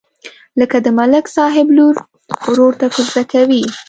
لکه د ملک صاحب لور ورور ته کوزده کوي.